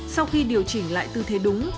sau khi điều chỉnh lại tư thế đúng